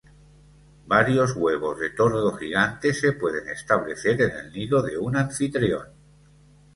Varios huevos de tordo gigante se pueden establecer en el nido de un anfitrión.